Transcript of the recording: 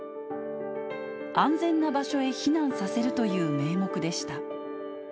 安全な場所へ避難させるという名目でした。